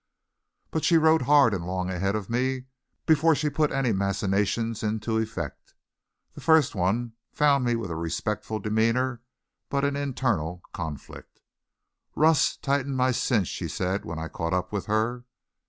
But she rode hard and long ahead of me before she put any machinations into effect. The first one found me with a respectful demeanor but an internal conflict. "Russ, tighten my cinch," she said when I caught up with her.